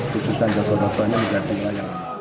khususnya jogoroto ini menjadi wilayah